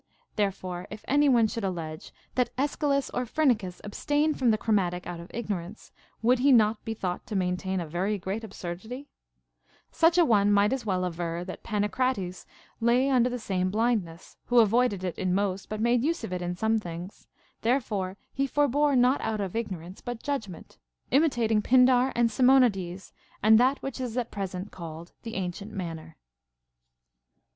Therefore, if any one should allege that Aeschylus or Phrynichus abstained from the chromatic out of ignorance, would he not be thought to maintain a very great absurdity 1 Such a one might as well aver that Pancrates lay under the same blindness, who avoided it in most, but made use of it in some things ; therefore he forebore not out of ignorance, but judgment, imitating Pindar and Simonides and that which is at present called the ancient manner.